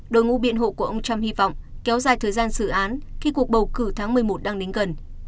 đội ngũ biện hộ của ông trump hy vọng kéo dài thời gian xử án khi cuộc bầu cử tháng một mươi một đang đến gần